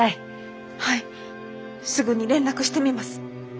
はいすぐに連絡してみます。